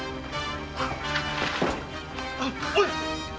おい！